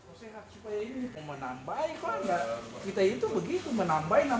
sehat supaya ini menambah iklan kita itu begitu menambah